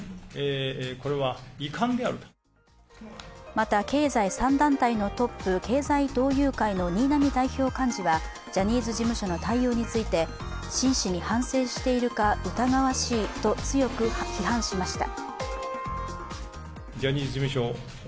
また経済３団体のトップ経済同友会の新浪代表幹事は、ジャニーズ事務所の対応についてしんしに反省しているか疑わしいと強く批判しました。